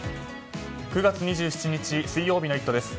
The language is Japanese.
９月２７日、水曜日の「イット！」です。